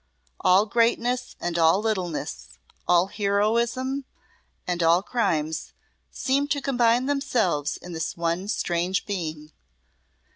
All greatness and all littleness, all heroism and all crimes, seemed to combine themselves in this one strange being.